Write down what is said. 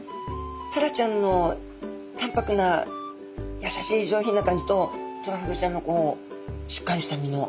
タラちゃんのたんぱくなやさしい上品な感じとトラフグちゃんのしっかりした身の。